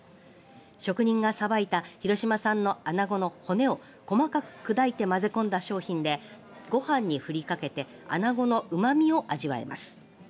職人がさばいた広島産のアナゴの骨を細かく砕いて混ぜ込んだ商品でご飯にふりかけてアナゴのうまみを味わえます。